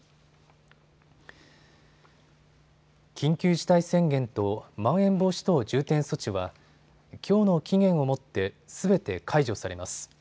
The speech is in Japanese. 緊急事態宣言とまん延防止等重点措置はきょうの期限をもってすべて解除されます。